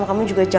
masuk masuk masuk